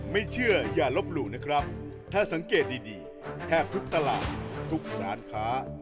ไม่เชื่ออย่าลบหลู่นะครับถ้าสังเกตดีแทบทุกตลาดทุกร้านค้า